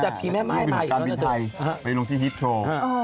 แต่ผีแม่ม่ายมาอีกแล้วนะเถอะไปลงที่ฮิตโชว์